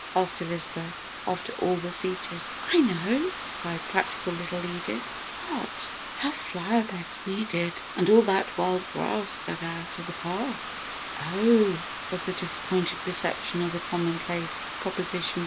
asked Elizabeth after all were seated. "I know!" cried practical little Edith. "What?" "Her flower beds weeded and all that wild grass dug out of the paths." "Oh!" was the disappointed reception of the commonplace proposition.